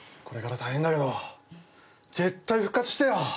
これから大変だけど、絶対復活してよ！